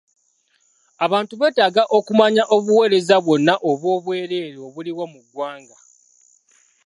Abantu beetaaga okumanya obuweereza bwonna obw'obwereere obuliwo mu ggwanga.